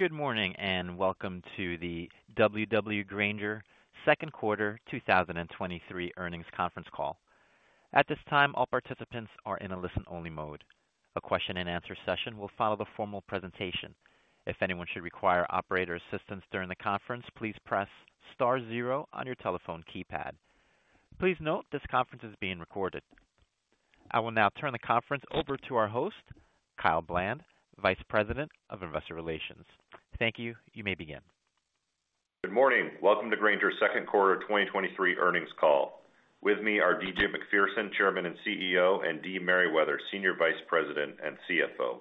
Good morning. Welcome to the W.W. Grainger Second quarter 2023 earnings conference call. At this time, all participants are in a listen-only mode. A question-and-answer session will follow the formal presentation. If anyone should require operator assistance during the conference, please press star zero on your telephone keypad. Please note, this conference is being recorded. I will now turn the conference over to our host, Kyle Bland, Vice President of Investor Relations. Thank you. You may begin. Good morning. Welcome to Grainger's Q2 of 2023 earnings call. With me are D.G. Macpherson, Chairman and CEO, and Dee Merriwether, Senior Vice President and CFO.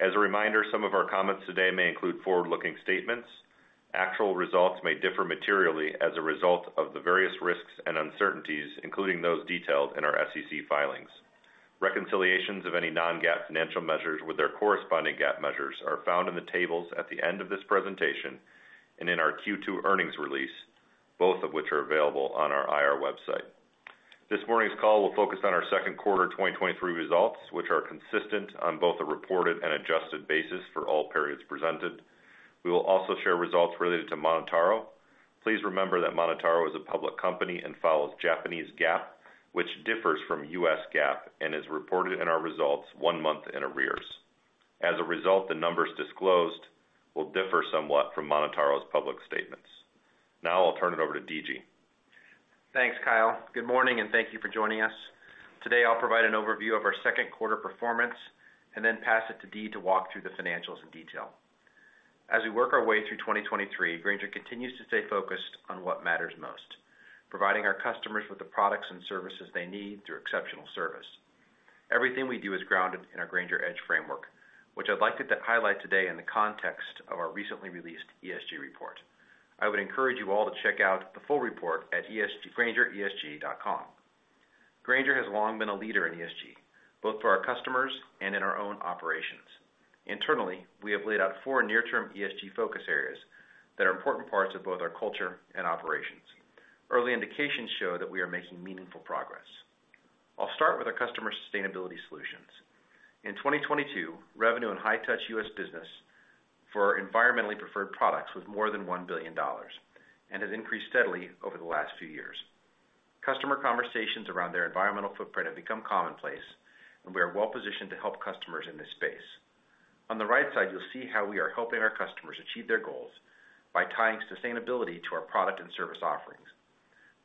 As a reminder, some of our comments today may include forward-looking statements. Actual results may differ materially as a result of the various risks and uncertainties, including those detailed in our SEC filings. Reconciliations of any non-GAAP financial measures with their corresponding GAAP measures are found in the tables at the end of this presentation and in our Q2 earnings release, both of which are available on our IR website. This morning's call will focus on our second quarter 2023 results, which are consistent on both a reported and adjusted basis for all periods presented. We will also share results related to MonotaRO. Please remember that MonotaRO is a public company and follows Japanese GAAP, which differs from US GAAP and is reported in our results one month in arrears. As a result, the numbers disclosed will differ somewhat from MonotaRO's public statements. I'll turn it over to D.G. Thanks, Kyle. Good morning. Thank you for joining us. Today, I'll provide an overview of our second quarter performance. Then pass it to Dee to walk through the financials in detail. As we work our way through 2023, Grainger continues to stay focused on what matters most, providing our customers with the products and services they need through exceptional service. Everything we do is grounded in our Grainger Edge framework, which I'd like to highlight today in the context of our recently released ESG report. I would encourage you all to check out the full report at GraingerESG.com. Grainger has long been a leader in ESG, both for our customers and in our own operations. Internally, we have laid out four near-term ESG focus areas that are important parts of both our culture and operations. Early indications show that we are making meaningful progress. I'll start with our customer sustainability solutions. In 2022, revenue in High-Touch US business for environmentally preferred products was more than $1 billion and has increased steadily over the last few years. Customer conversations around their environmental footprint have become commonplace. We are well-positioned to help customers in this space. On the right side, you'll see how we are helping our customers achieve their goals by tying sustainability to our product and service offerings.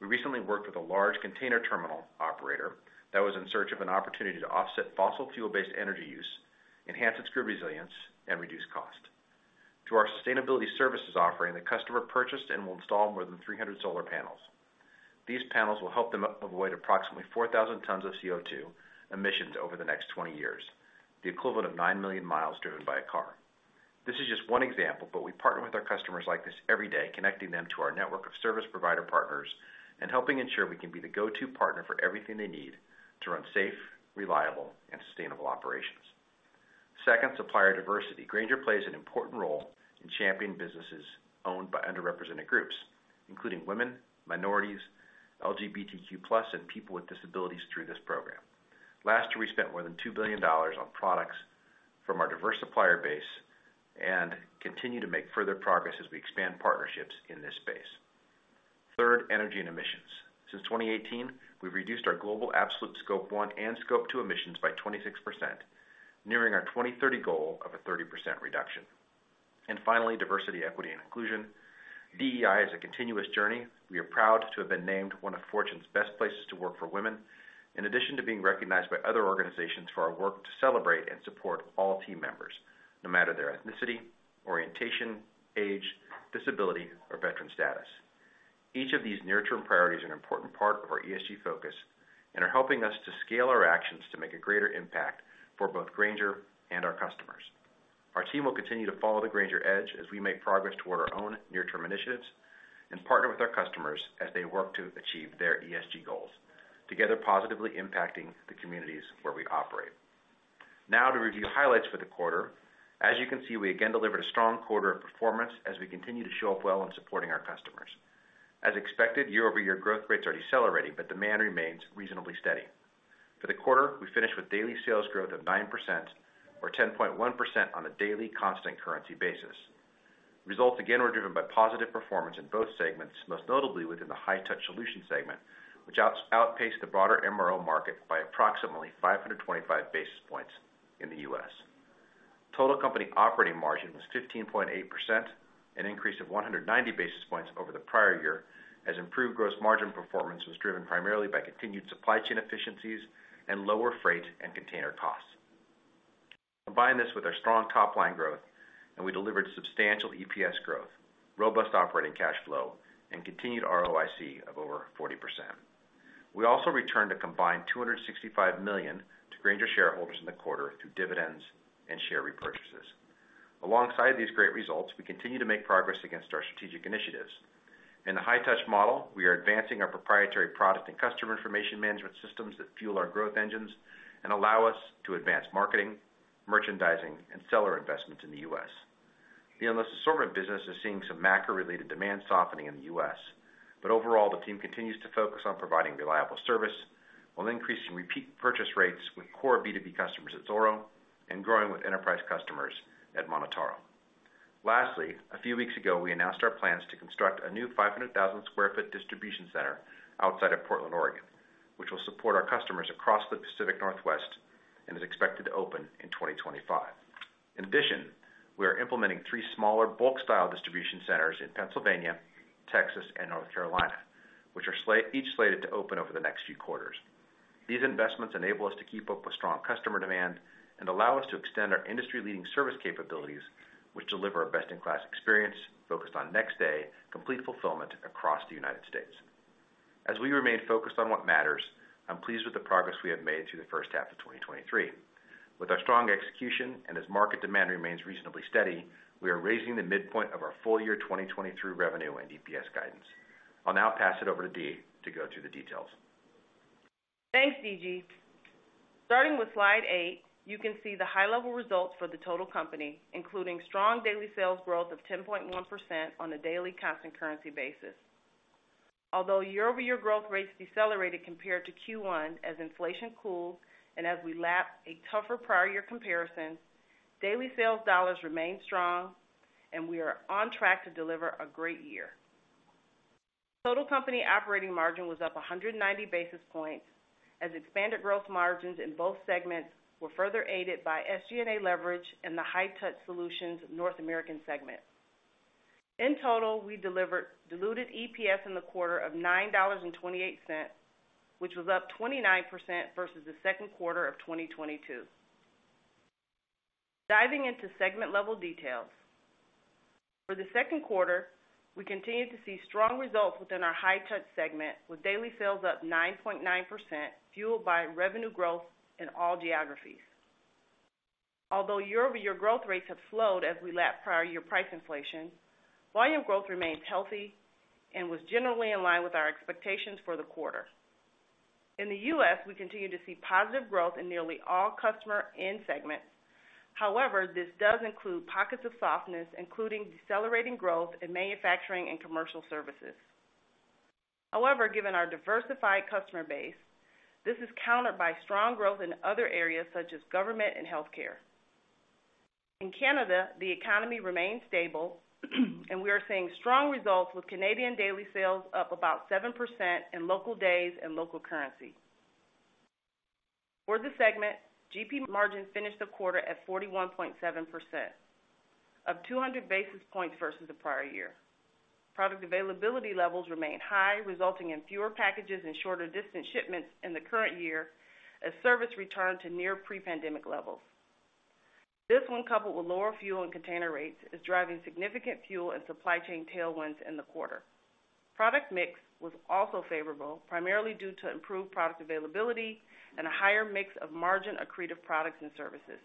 We recently worked with a large container terminal operator that was in search of an opportunity to offset fossil fuel-based energy use, enhance its grid resilience, and reduce cost. To our sustainability services offering, the customer purchased and will install more than 300 solar panels. These panels will help them avoid approximately 4,000 tons of CO2 emissions over the next 20 years, the equivalent of nine million miles driven by a car. This is just one example. We partner with our customers like this every day, connecting them to our network of service provider partners and helping ensure we can be the go-to partner for everything they need to run safe, reliable, and sustainable operations. Second, supplier diversity. Grainger plays an important role in championing businesses owned by underrepresented groups, including women, minorities, LGBTQ+, and people with disabilities through this program. Last year, we spent more than $2 billion on products from our diverse supplier base and continue to make further progress as we expand partnerships in this space. Third, energy and emissions. Since 2018, we've reduced our global absolute Scope one and Scope two emissions by 26%, nearing our 2030 goal of a 30% reduction. Finally, diversity, equity, and inclusion. DEI is a continuous journey. We are proud to have been named one of Fortune's best places to work for women, in addition to being recognized by other organizations for our work to celebrate and support all team members, no matter their ethnicity, orientation, age, disability, or veteran status. Each of these near-term priorities are an important part of our ESG focus and are helping us to scale our actions to make a greater impact for both Grainger and our customers. Our team will continue to follow the Grainger Edge as we make progress toward our own near-term initiatives and partner with our customers as they work to achieve their ESG goals, together positively impacting the communities where we operate. To review highlights for the quarter, as you can see, we again delivered a strong quarter of performance as we continue to show up well in supporting our customers. As expected, year-over-year growth rates are decelerating, demand remains reasonably steady. For the quarter, we finished with daily sales growth of 9% or 10.1% on a daily constant currency basis. Results again were driven by positive performance in both segments, most notably within the High-Touch solution segment, which outpaced the broader MRO market by approximately 525 basis points in the US. Total company operating margin was 15.8%, an increase of 190 basis points over the prior year, as improved gross margin performance was driven primarily by continued supply chain efficiencies and lower freight and container costs. Combine this with our strong top-line growth, and we delivered substantial EPS growth, robust operating cash flow, and continued ROIC of over 40%. We also returned a combined $265 million to Grainger shareholders in the quarter through dividends and share repurchases. Alongside these great results, we continue to make progress against our strategic initiatives. In the High-Touch model, we are advancing our proprietary product and customer information management systems that fuel our growth engines and allow us to advance marketing, merchandising, and seller investments in the U.S. The Endless Assortment business is seeing some macro-related demand softening in the U.S. Overall, the team continues to focus on providing reliable service, while increasing repeat purchase rates with core B2B customers at Zoro and growing with enterprise customers at MonotaRO. Lastly, a few weeks ago, we announced our plans to construct a new 500,000 sq ft distribution center outside of Portland, Oregon, which will support our customers across the Pacific Northwest and is expected to open in 2025. In addition, we are implementing three smaller bulk-style distribution centers in Pennsylvania, Texas, and North Carolina, which are each slated to open over the next few quarters. These investments enable us to keep up with strong customer demand and allow us to extend our industry-leading service capabilities, which deliver a best-in-class experience focused on next-day, complete fulfillment across the United States. As we remain focused on what matters, I'm pleased with the progress we have made through the first half of 2023. With our strong execution, and as market demand remains reasonably steady, we are raising the midpoint of our full year 2023 revenue and EPS guidance. I'll now pass it over to Dee to go through the details. Thanks, D.G. Starting with slide eight, you can see the high-level results for the total company, including strong daily sales growth of 10.1% on a daily constant currency basis. Although year-over-year growth rates decelerated compared to Q1 as inflation cooled and as we lapped a tougher prior year comparison, daily sales dollars remained strong and we are on track to deliver a great year. Total company operating margin was up 190 basis points, as expanded growth margins in both segments were further aided by SG&A leverage in the High-Touch Solutions North American segment. In total, we delivered diluted EPS in the quarter of $9.28, which was up 29% versus the Q2 of 2022. Diving into segment-level details. For the Q2, we continued to see strong results within our High-Touch segment, with daily sales up 9.9%, fueled by revenue growth in all geographies. Although year-over-year growth rates have slowed as we lap prior year price inflation, volume growth remains healthy and was generally in line with our expectations for the quarter. In the U.S, we continue to see positive growth in nearly all customer end segments. This does include pockets of softness, including decelerating growth in manufacturing and commercial services. Given our diversified customer base, this is countered by strong growth in other areas such as government and healthcare. In Canada, the economy remains stable, and we are seeing strong results, with Canadian daily sales up about 7% in local days and local currency. For the segment, GP margin finished the quarter at 41.7%, up 200 basis points versus the prior year. Product availability levels remained high, resulting in fewer packages and shorter distance shipments in the current year as service returned to near pre-pandemic levels. This, when coupled with lower fuel and container rates, is driving significant fuel and supply chain tailwinds in the quarter. Product mix was also favorable, primarily due to improved product availability and a higher mix of margin-accretive products and services.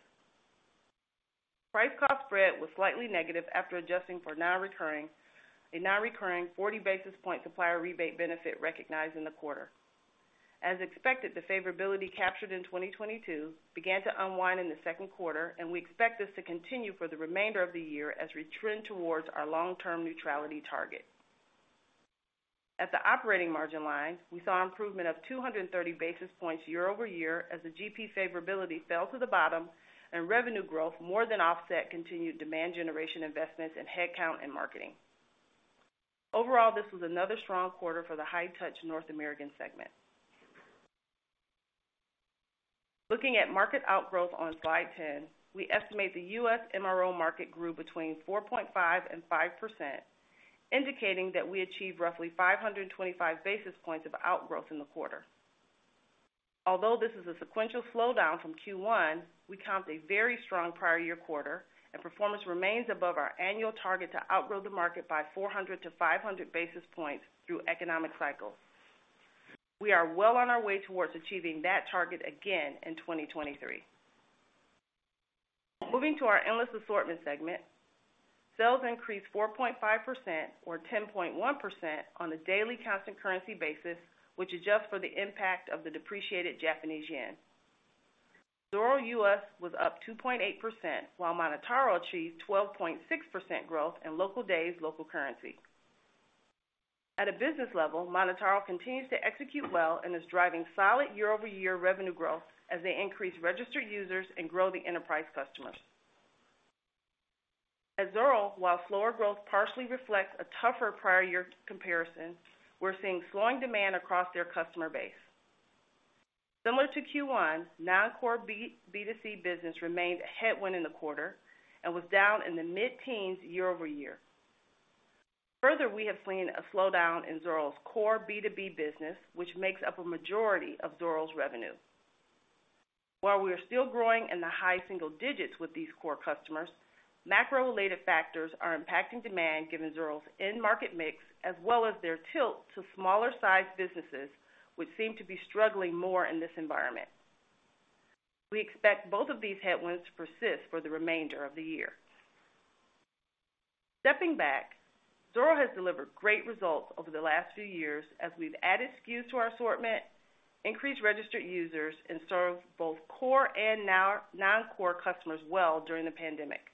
Price-cost spread was slightly negative after adjusting for a non-recurring 40 basis point supplier rebate benefit recognized in the quarter. As expected, the favorability captured in 2022 began to unwind in the Q2 and we expect this to continue for the remainder of the year as we trend towards our long-term neutrality target. At the operating margin line, we saw improvement of 230 basis points year-over-year as the GP favorability fell to the bottom and revenue growth more than offset continued demand generation investments in headcount and marketing. Overall, this was another strong quarter for the High-Touch North American segment. Looking at market outgrowth on slide 10, we estimate the US MRO market grew between 4.5% and 5%, indicating that we achieved roughly 525 basis points of outgrowth in the quarter. Although this is a sequential slowdown from Q1, we count a very strong prior year quarter, and performance remains above our annual target to outgrow the market by 400-500 basis points through economic cycles. We are well on our way towards achieving that target again in 2023. Moving to our Endless Assortment segment, sales increased 4.5% or 10.1% on a daily constant currency basis, which adjusts for the impact of the depreciated Japanese yen. Zoro U.S. was up 2.8%, while MonotaRO achieved 12.6% growth in local days, local currency. At a business level, MonotaRO continues to execute well and is driving solid year-over-year revenue growth as they increase registered users and grow the enterprise customers. At Zoro, while slower growth partially reflects a tougher prior year comparison, we're seeing slowing demand across their customer base. Similar to Q1, non-core B, B2C business remained a headwind in the quarter and was down in the mid-teens year-over-year. We have seen a slowdown in Zoro's core B2B business, which makes up a majority of Zoro's revenue. While we are still growing in the high single digits with these core customers, macro-related factors are impacting demand given Zoro's end market mix, as well as their tilt to smaller-sized businesses, which seem to be struggling more in this environment. We expect both of these headwinds to persist for the remainder of the year. Stepping back, Zoro has delivered great results over the last few years as we've added SKUs to our assortment, increased registered users, and served both core and non-core customers well during the pandemic.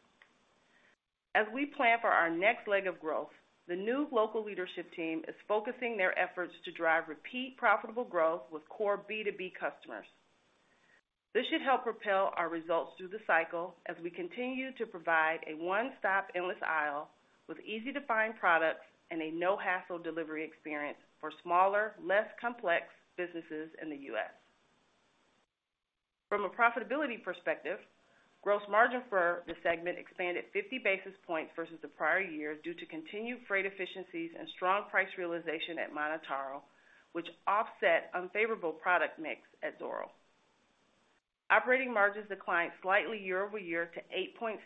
As we plan for our next leg of growth, the new local leadership team is focusing their efforts to drive repeat profitable growth with core B2B customers. This should help propel our results through the cycle as we continue to provide a one-stop endless aisle with easy-to-find products and a no-hassle delivery experience for smaller, less complex businesses in the US. From a profitability perspective, gross margin for the segment expanded 50 basis points versus the prior year due to continued freight efficiencies and strong price realization at MonotaRO, which offset unfavorable product mix at Zoro. Operating margins declined slightly year-over-year to 8.6%,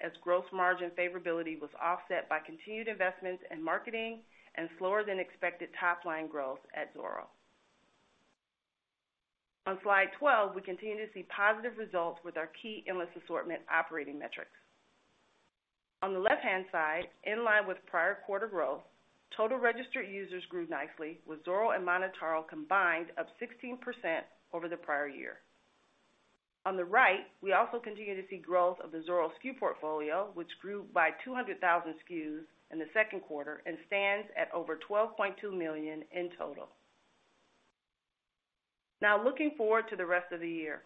as gross margin favorability was offset by continued investments in marketing and slower than expected top-line growth at Zoro. On slide 12, we continue to see positive results with our key Endless Assortment operating metrics. On the left-hand side, in line with prior quarter growth, total registered users grew nicely, with Zoro and MonotaRO combined up 16% over the prior year. On the right, we also continue to see growth of the Zoro SKU portfolio, which grew by 200,000 SKUs in the second quarter and stands at over 12.2 million in total. Looking forward to the rest of the year.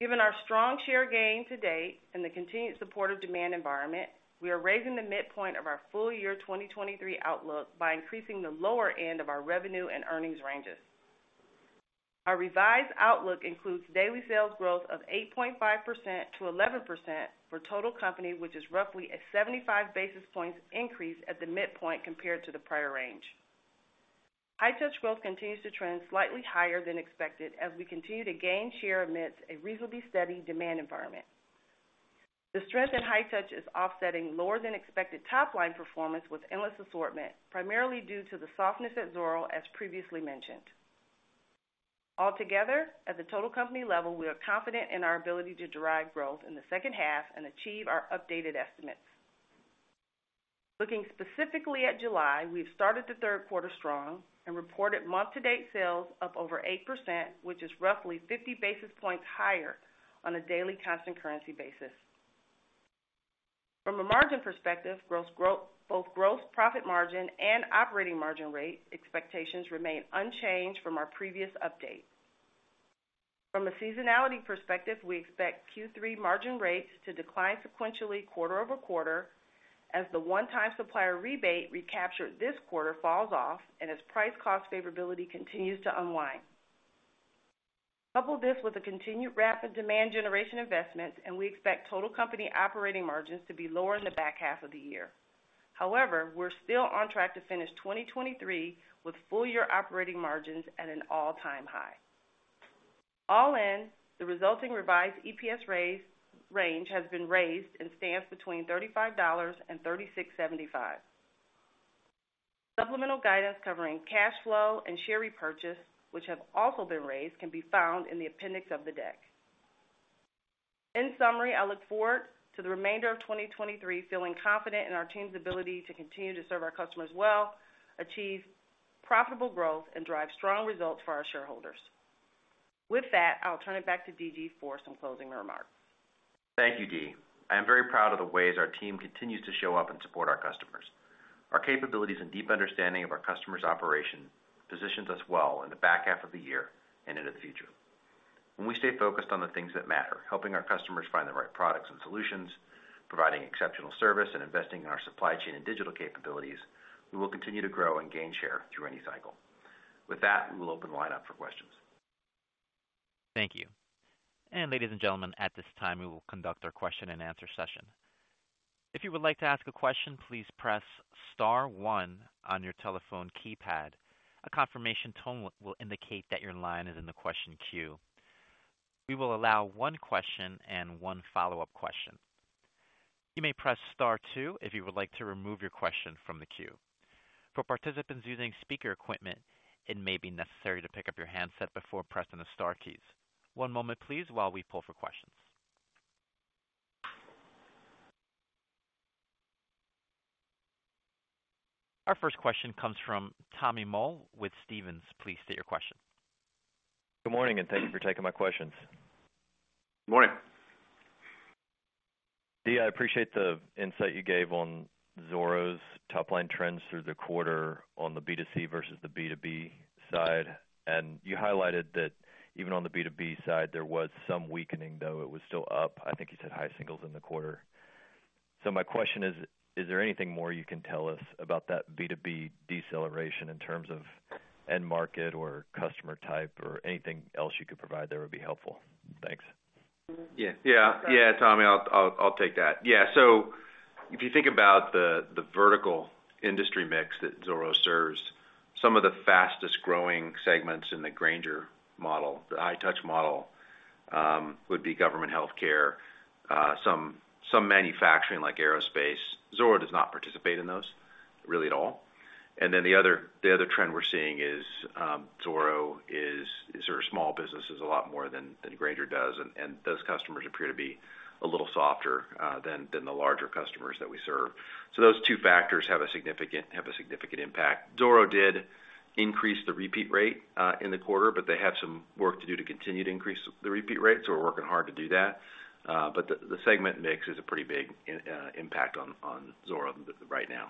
Given our strong share gain to date and the continued support of demand environment, we are raising the midpoint of our full year 2023 outlook by increasing the lower end of our revenue and earnings ranges. Our revised outlook includes daily sales growth of 8.5%-11% for total company, which is roughly a 75 basis points increase at the midpoint compared to the prior range. High-Touch growth continues to trend slightly higher than expected as we continue to gain share amidst a reasonably steady demand environment. The strength in High-Touch is offsetting lower than expected top line performance with Endless Assortment, primarily due to the softness at Zoro, as previously mentioned. Altogether, at the total company level, we are confident in our ability to derive growth in the second half and achieve our updated estimates. Looking specifically at July, we've started the third quarter strong and reported month-to-date sales up over 8%, which is roughly 50 basis points higher on a daily constant currency basis. From a margin perspective, both growth, profit margin, and operating margin rate expectations remain unchanged from our previous update. From a seasonality perspective, we expect Q3 margin rates to decline sequentially quarter-over-quarter as the one-time supplier rebate recaptured this quarter falls off and as price cost favorability continues to unwind. Couple this with the continued rapid demand generation investments, and we expect total company operating margins to be lower in the back half of the year. However, we're still on track to finish 2023 with full year operating margins at an all-time high. The resulting revised EPS range has been raised and stands between $35 and $36.75. Supplemental guidance covering cash flow and share repurchase, which have also been raised, can be found in the appendix of the deck. I look forward to the remainder of 2023, feeling confident in our team's ability to continue to serve our customers well, achieve profitable growth, and drive strong results for our shareholders. I'll turn it back to DG for some closing remarks. Thank you, Dee. I am very proud of the ways our team continues to show up and support our customers. Our capabilities and deep understanding of our customers' operation positions us well in the back half of the year and into the future. When we stay focused on the things that matter, helping our customers find the right products and solutions, providing exceptional service, and investing in our supply chain and digital capabilities, we will continue to grow and gain share through any cycle. With that, we will open the line up for questions. Thank you. Ladies and gentlemen, at this time, we will conduct our question-and-answer session. If you would like to ask a question, please press star one on your telephone keypad. A confirmation tone will indicate that your line is in the question queue. We will allow one question and one follow-up question. You may press Star two if you would like to remove your question from the queue. For participants using speaker equipment, it may be necessary to pick up your handset before pressing the star keys. One moment, please, while we pull for questions. Our first question comes from Tommy Moll with Stephens. Please state your question. Good morning, thank you for taking my questions. Good morning. Dee, I appreciate the insight you gave on Zoro's top line trends through the quarter on the B2C versus the B2B side. You highlighted that even on the B2B side, there was some weakening, though it was still up. I think you said high singles in the quarter. My question is: Is there anything more you can tell us about that B2B deceleration in terms of end market or customer type or anything else you could provide that would be helpful? Thanks. Yeah. Tommy, I'll take that. If you think about the vertical industry mix that Zoro serves, some of the fastest growing segments in the Grainger model, the High-Touch model, would be government healthcare, some manufacturing, like aerospace. Zoro does not participate in those really at all. The other trend we're seeing is Zoro is sort of small businesses a lot more than Grainger does, and those customers appear to be a little softer than the larger customers that we serve. Those two factors have a significant impact. Zoro did increase the repeat rate in the quarter. They have some work to do to continue to increase the repeat rate. We're working hard to do that. The segment mix is a pretty big impact on Zoro right now.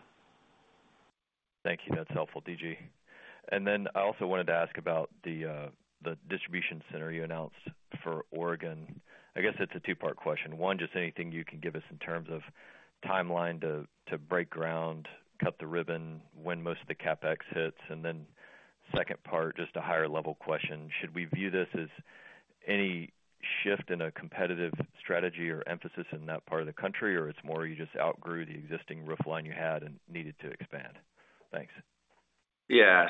Thank you. That's helpful, DG. I also wanted to ask about the distribution center you announced for Oregon. I guess it's a two-part question. One, just anything you can give us in terms of timeline to break ground, cut the ribbon, when most of the CapEx hits? Second part, just a higher level question: Should we view this as any shift in a competitive strategy or emphasis in that part of the country, or it's more you just outgrew the existing roofline you had and needed to expand? Thanks. Yeah.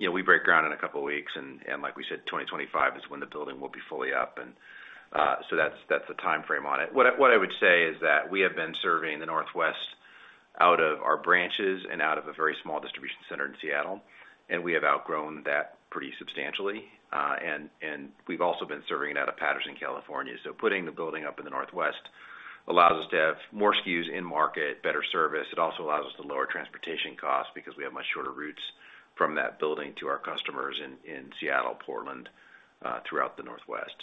You know, we break ground in a couple of weeks, and like we said, 2025 is when the building will be fully up, so that's the time frame on it. What I would say is that we have been serving the Northwest out of our branches and out of a very small distribution center in Seattle, and we have outgrown that pretty substantially. And we've also been serving it out of Patterson, California. Putting the building up in the Northwest allows us to have more SKUs in market, better service. It also allows us to lower transportation costs because we have much shorter routes from that building to our customers in Seattle, Portland, throughout the Northwest.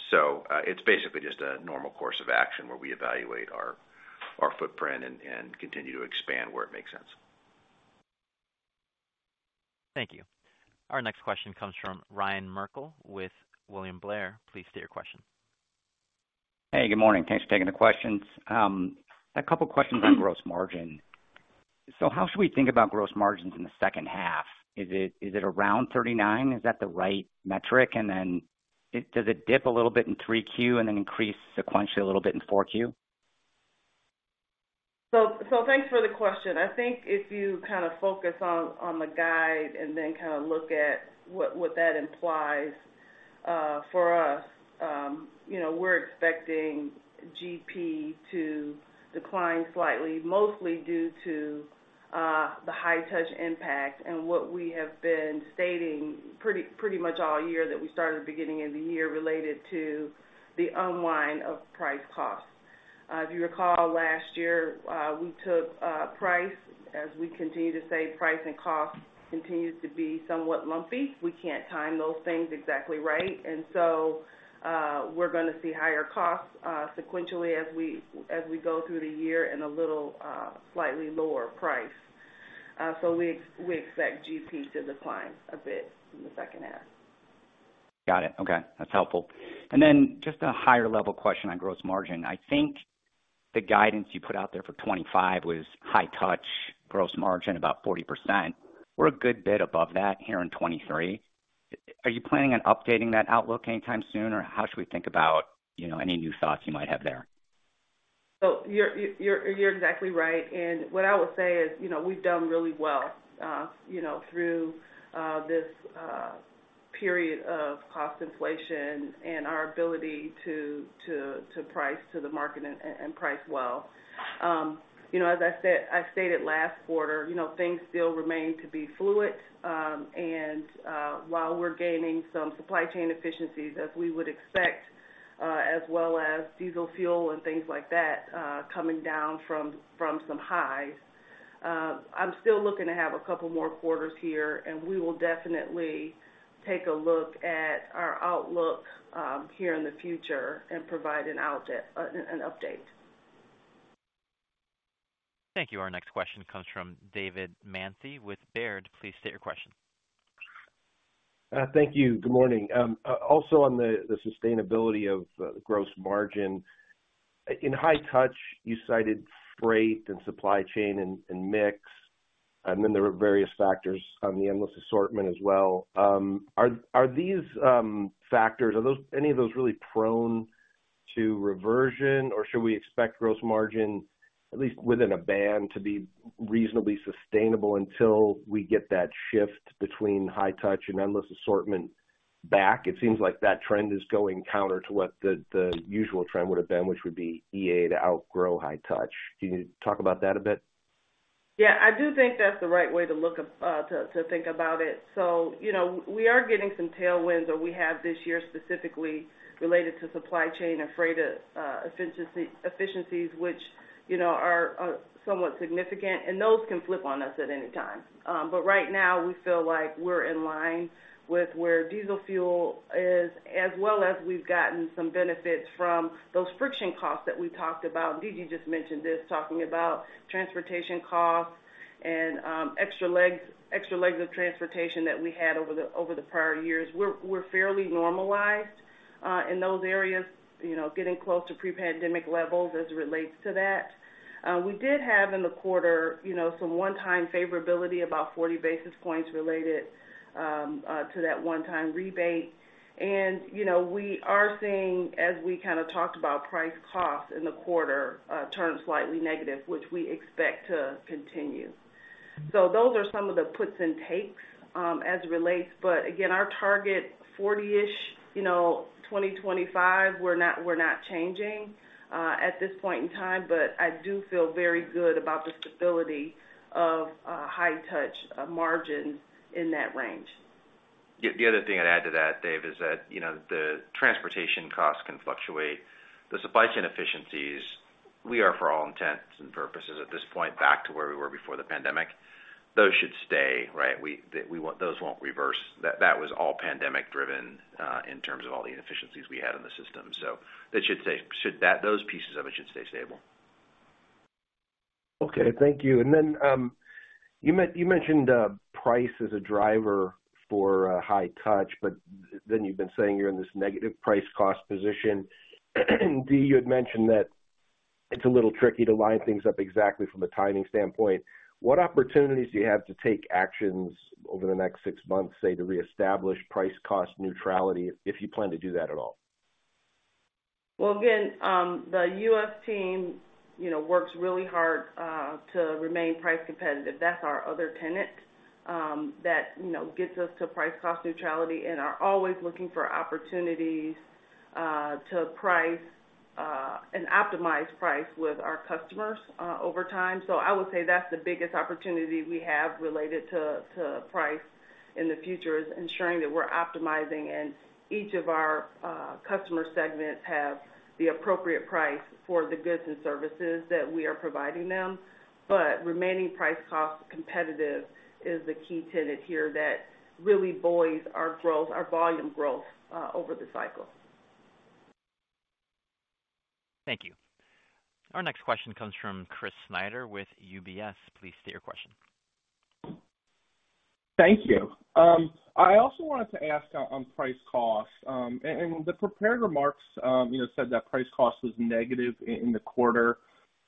It's basically just a normal course of action where we evaluate our footprint and continue to expand where it makes sense. Thank you. Our next question comes from Ryan Merkel with William Blair. Please state your question. Hey, good morning. Thanks for taking the questions. A couple of questions on gross margin. How should we think about gross margins in the second half? Is it around 39? Is that the right metric? Does it dip a little bit in 3Q and then increase sequentially a little bit in 4Q? Thanks for the question. I think if you kind of focus on the guide and then kind of look at what that implies for us, you know, we're expecting GP to decline slightly, mostly due to the High-Touch impact and what we have been stating pretty much all year that we started beginning of the year related to the unwind of price costs. If you recall, last year, we took price. As we continue to say, price and cost continues to be somewhat lumpy. We can't time those things exactly right. We're gonna see higher costs sequentially as we go through the year and a little slightly lower price. We expect GP to decline a bit in the second half. Got it. Okay, that's helpful. Just a higher level question on gross margin. I think the guidance you put out there for 2025 was High-Touch, gross margin, about 40%. We're a good bit above that here in 2023. Are you planning on updating that outlook anytime soon, or how should we think about, you know, any new thoughts you might have there? You're exactly right. What I would say is, you know, we've done really well, you know, through this period of cost inflation and our ability to price to the market and price well. You know, as I said, I stated last quarter, you know, things still remain to be fluid, and while we're gaining some supply chain efficiencies, as we would expect, as well as diesel fuel and things like that, coming down from some highs, I'm still looking to have a couple more quarters here, and we will definitely take a look at our outlook here in the future and provide an update. Thank you. Our next question comes from David Manthey with Baird. Please state your question. Thank you. Good morning. Also on the sustainability of gross margin. In High-Touch, you cited freight and supply chain and mix, and then there were various factors on the Endless Assortment as well. Are these factors, any of those really prone to reversion, or should we expect gross margin, at least within a band, to be reasonably sustainable until we get that shift between High-Touch and Endless Assortment back? It seems like that trend is going counter to what the usual trend would have been, which would be EA to outgrow High-Touch. Can you talk about that a bit? Yeah, I do think that's the right way to look, to think about it. you know, we are getting some tailwinds that we have this year, specifically related to supply chain and freight, efficiencies, which, you know, are somewhat significant, and those can flip on us at any time. But right now, we feel like we're in line with where diesel fuel is, as well as we've gotten some benefits from those friction costs that we talked about. DG just mentioned this, talking about transportation costs and extra legs of transportation that we had over the prior years. We're fairly normalized in those areas, you know, getting close to pre-pandemic levels as it relates to that. We did have in the quarter, you know, some one-time favorability, about 40 basis points related to that one-time rebate. You know, we are seeing, as we kind of talked about price costs in the quarter, turn slightly negative, which we expect to continue. Those are some of the puts and takes as it relates. Again, our target 40-ish, you know, 2025, we're not, we're not changing at this point in time, but I do feel very good about the stability of High-Touch margins in that range. The other thing I'd add to that, Dave, is that, you know, the transportation costs can fluctuate. The supply chain efficiencies, we are, for all intents and purposes, at this point, back to where we were before the pandemic. Those should stay, right? Those won't reverse. That was all pandemic-driven, in terms of all the inefficiencies we had in the system. That should stay, those pieces of it should stay stable. Okay, thank you. You mentioned price as a driver for High-Touch, but then you've been saying you're in this negative price-cost position. Dee, you had mentioned that it's a little tricky to line things up exactly from a timing standpoint. What opportunities do you have to take actions over the next six months, say, to reestablish price-cost neutrality, if you plan to do that at all? Again, the U.S. team, you know, works really hard to remain price competitive. That's our other tenet that, you know, gets us to price cost neutrality, and are always looking for opportunities to price and optimize price with our customers over time. I would say that's the biggest opportunity we have related to price in the future is ensuring that we're optimizing and each of our customer segments have the appropriate price for the goods and services that we are providing them. Remaining price cost competitive is a key tenet here that really buoys our growth, our volume growth over the cycle. Thank you. Our next question comes from Chris Snyder with UBS. Please state your question. Thank you. I also wanted to ask on price costs. The prepared remarks, you know, said that price cost was negative in the quarter,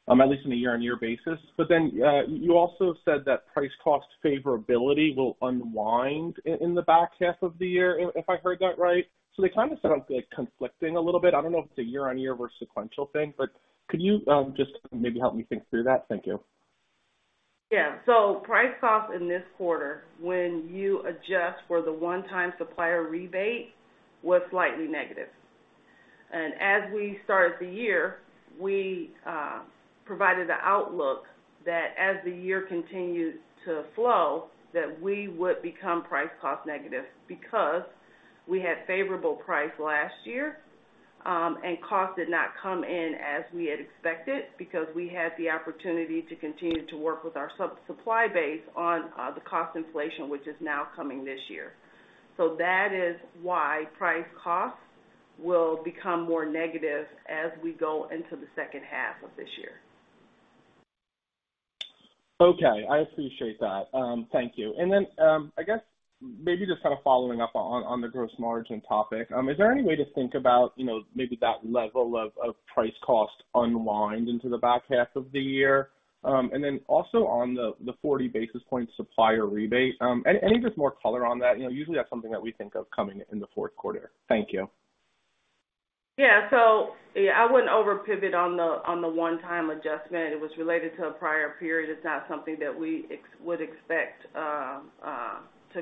at least on a year-on-year basis. You also said that price cost favorability will unwind in the back half of the year, if I heard that right. They kind of sound, like, conflicting a little bit. I don't know if it's a year-on-year versus sequential thing, but could you just maybe help me think through that? Thank you. Yeah. Price cost in this quarter, when you adjust for the one-time supplier rebate was slightly negative. As we started the year, we provided an outlook that as the year continues to flow that we would become price cost negative because we had favorable price last year, and cost did not come in as we had expected, because we had the opportunity to continue to work with our sub-supply base on the cost inflation, which is now coming this year. That is why price costs will become more negative as we go into the second half of this year. Okay, I appreciate that. Thank you. I guess maybe just kind of following up on the gross margin topic. Is there any way to think about, you know, maybe that level of price cost unwind into the back half of the year? Also on the 40 basis point supplier rebate, any just more color on that? You know, usually that's something that we think of coming in the fourth quarter. Thank you. I wouldn't over pivot on the, on the one-time adjustment. It was related to a prior period. It's not something that we would expect to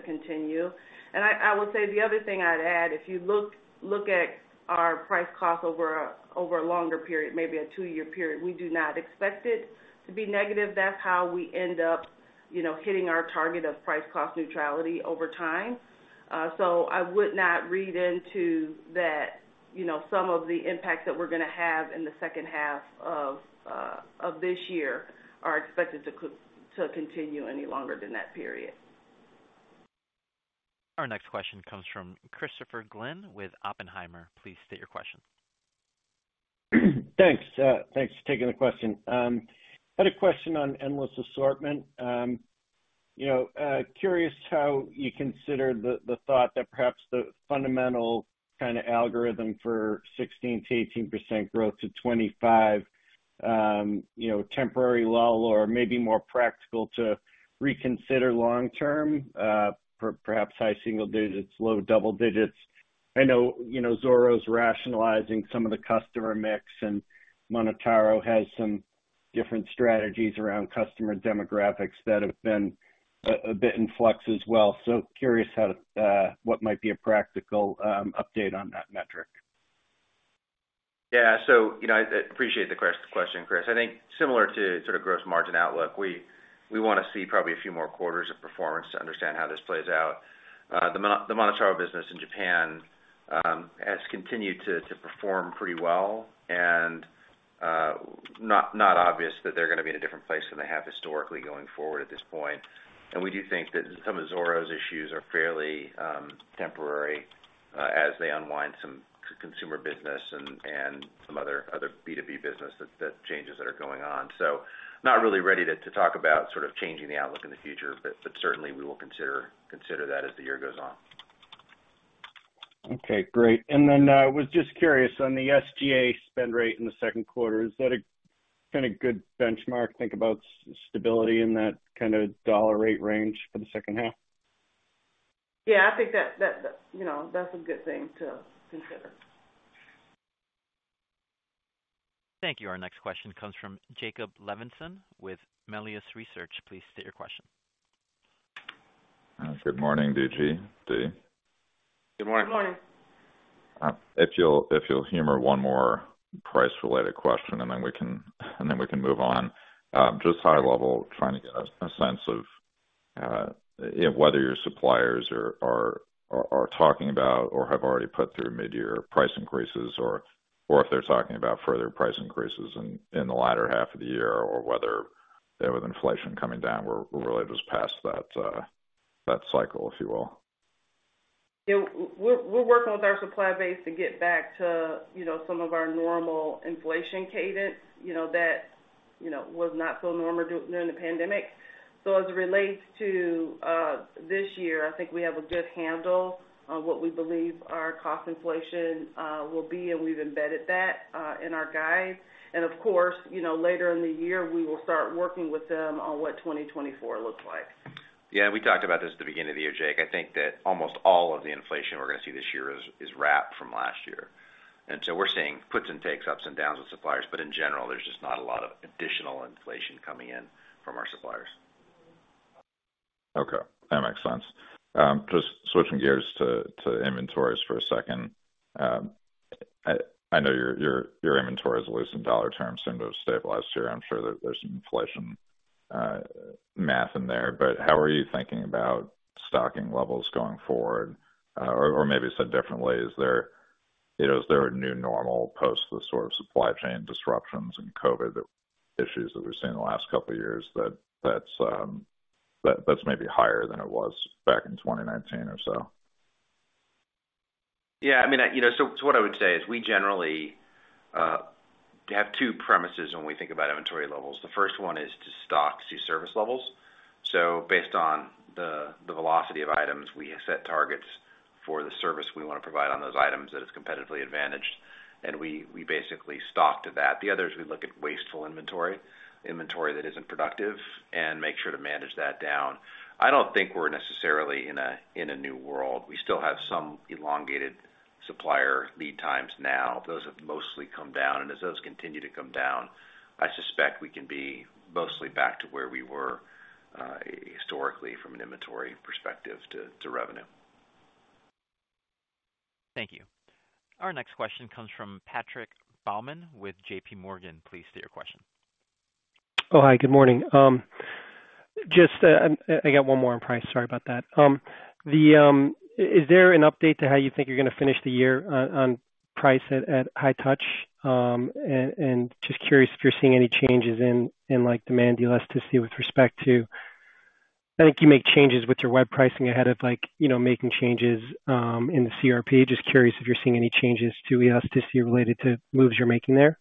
continue. I will say the other thing I'd add, if you look at our price cost over a, over a longer period, maybe a two-year period, we do not expect it to be negative. That's how we end up, you know, hitting our target of price cost neutrality over time. I would not read into that, you know, some of the impact that we're gonna have in the second half of this year are expected to continue any longer than that period. Our next question comes from Christopher Glynn with Oppenheimer. Please state your question. Thanks. Thanks for taking the question. I had a question on Endless Assortment. You know, curious how you consider the thought that perhaps the fundamental kind of algorithm for 16%-18% growth to 25, you know, temporary lull or maybe more practical to reconsider long term, perhaps high single digits, low double digits. I know, you know, Zoro's rationalizing some of the customer mix, and MonotaRO has some different strategies around customer demographics that have been a bit in flux as well. Curious how to what might be a practical update on that metric? You know, I appreciate the question, Chris. I think similar to sort of gross margin outlook, we want to see probably a few more quarters of performance to understand how this plays out. The MonotaRO business in Japan has continued to perform pretty well, and not obvious that they're gonna be in a different place than they have historically going forward at this point. We do think that some of Zoro's issues are fairly temporary, as they unwind some consumer business and some other B2B business that changes that are going on. Not really ready to talk about sort of changing the outlook in the future, but certainly we will consider that as the year goes on. Okay, great. Then, I was just curious on the SG&A spend rate in the second quarter, is that a kind of good benchmark to think about stability in that kind of dollar rate range for the second half? Yeah, I think that, you know, that's a good thing to consider. Thank you. Our next question comes from Jacob Levinson with Melius Research. Please state your question. Good morning, DG, Dee. Good morning. Good morning. If you'll humor one more price-related question, and then we can move on. Just high level, trying to get a sense of whether your suppliers are talking about or have already put through mid-year price increases, or if they're talking about further price increases in the latter half of the year, or whether with inflation coming down, we're really just past that cycle, if you will? Yeah, we're working with our supply base to get back to, you know, some of our normal inflation cadence, you know, that, you know, was not so normal during the pandemic. As it relates to this year, I think we have a good handle on what we believe our cost inflation will be, and we've embedded that in our guide. Of course, you know, later in the year, we will start working with them on what 2024 looks like. We talked about this at the beginning of the year, Jake. I think that almost all of the inflation we're going to see this year is wrapped from last year. We're seeing puts and takes, ups and downs with suppliers, but in general, there's just not a lot of additional inflation coming in from our suppliers. Okay, that makes sense. Just switching gears to inventories for a second. I know your inventory has loose in $ terms, seemed to have stabilized here. I'm sure there's some inflation math in there, but how are you thinking about stocking levels going forward? Or maybe said differently, is there, you know, is there a new normal post the sort of supply chain disruptions and COVID issues that we've seen in the last couple of years, that's maybe higher than it was back in 2019 or so? Yeah, I mean, you know, what I would say is, we generally have two premises when we think about inventory levels. The first one is to stock to service levels. Based on the velocity of items, we set targets for the service we wanna provide on those items that is competitively advantaged, and we basically stock to that. The other is we look at wasteful inventory, inventory that isn't productive, and make sure to manage that down. I don't think we're necessarily in a new world. We still have some elongated supplier lead times now. Those have mostly come down, and as those continue to come down, I suspect we can be mostly back to where we were historically from an inventory perspective to revenue. Thank you. Our next question comes from Patrick Baumann with J.P. Morgan. Please state your question. Hi, good morning. Just, I got one more on price. Sorry about that. Is there an update to how you think you're gonna finish the year on, on price at High-Touch? Just curious if you're seeing any changes in, like, demand elasticity with respect to, I think you make changes with your web pricing ahead of like, you know, making changes in the CRP. Just curious if you're seeing any changes to elasticity related to moves you're making there.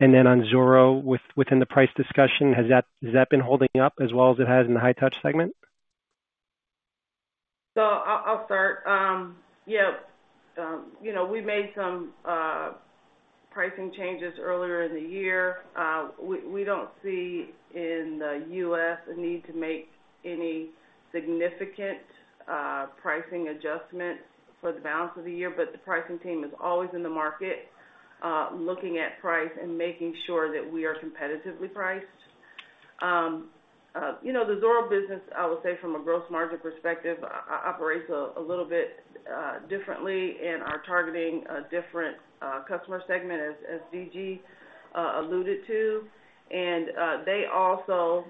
Then on Zoro, within the price discussion, has that been holding up as well as it has in the High-Touch segment? I'll, I'll start. Yeah, you know, we made some pricing changes earlier in the year. We don't see in the US a need to make any significant pricing adjustments for the balance of the year, but the pricing team is always in the market, looking at price and making sure that we are competitively priced. You know, the Zoro business, I would say, from a gross margin perspective, operates a little bit differently and are targeting a different customer segment, as DG alluded to. They also,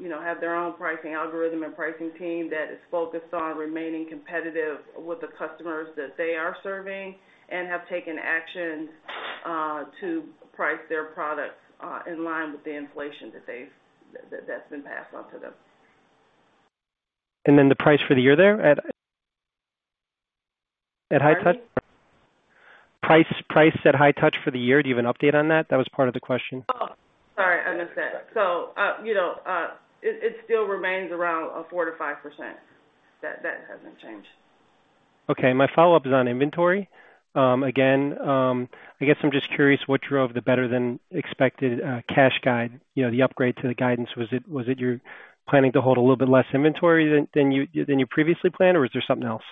you know, have their own pricing algorithm and pricing team that is focused on remaining competitive with the customers that they are serving and have taken action to price their products in line with the inflation that's been passed on to them. The price for the year there at High-Touch? Pardon me? Price at High-Touch for the year. Do you have an update on that? That was part of the question. Oh, sorry, I missed that. You know, it still remains around a 4%-5%. That hasn't changed. My follow-up is on inventory. Again, I guess I'm just curious what drove the better than expected cash guide, you know, the upgrade to the guidance. Was it you're planning to hold a little bit less inventory than you previously planned, or is there something else?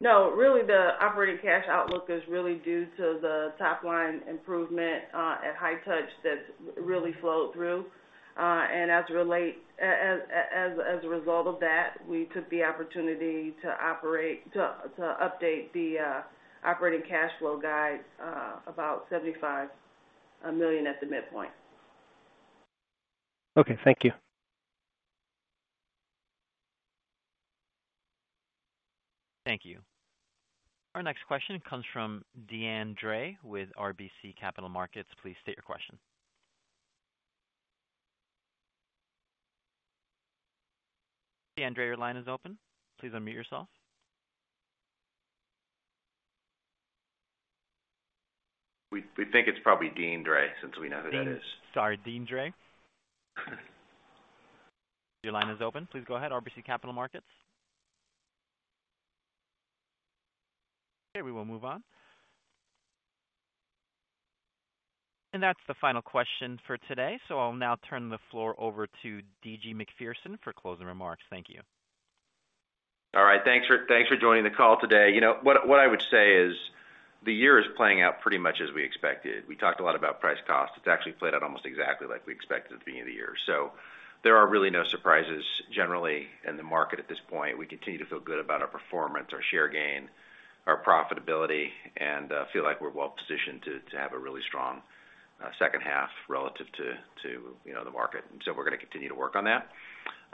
No, really, the operating cash outlook is really due to the top line improvement, at High-Touch that's really flowed through. As a result of that, we took the opportunity to update the operating cash flow guide, about $75 million at the midpoint. Okay, thank you. Thank you. Our next question comes from Deane Dray with RBC Capital Markets. Please state your question. Deane Dray, your line is open. Please unmute yourself. We think it's probably Deane Dray, since we know who that is. Sorry, Deane Dray. Your line is open. Please go ahead, RBC Capital Markets. Okay, we will move on. That's the final question for today. I'll now turn the floor over to D.G. Macpherson for closing remarks. Thank you. All right, thanks for joining the call today. You know, what I would say is, the year is playing out pretty much as we expected. We talked a lot about price cost. It's actually played out almost exactly like we expected at the beginning of the year. There are really no surprises generally in the market at this point. We continue to feel good about our performance, our share gain, our profitability, and feel like we're well positioned to have a really strong second half relative to, you know, the market. We're gonna continue to work on that.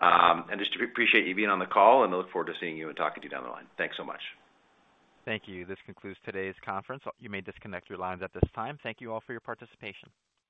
And just appreciate you being on the call, and I look forward to seeing you and talking to you down the line. Thanks so much. Thank you. This concludes today's conference. You may disconnect your lines at this time. Thank you all for your participation.